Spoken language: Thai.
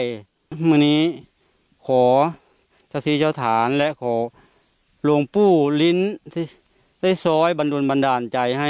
วันนี้ขอสทีเจ้าฐานและขอหลวงปู่ลิ้นได้ซ้อยบันโดนบันดาลใจให้